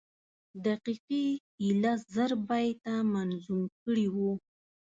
دقیقي ایله زر بیته منظوم کړي وو.